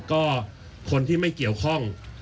ก็คนที่ไม่เกี่ยวข้อง